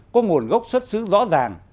có nguồn gốc xuất xứ rõ ràng